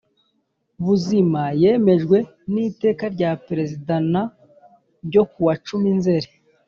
Buzima yemejwe n Iteka rya Perezida n ryo kuwa cumi nzeri